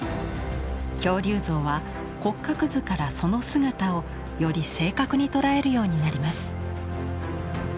恐竜像は骨格図からその姿をより正確に捉えるようになります。